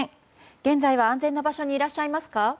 現在は安全な場所にいらっしゃいますか。